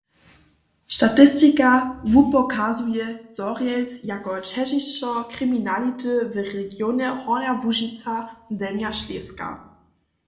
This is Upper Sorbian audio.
Statistika wupokazuje Zhorjelc jako ćežišćo kriminality w regionje Hornja Łužica-Delnja Šleska.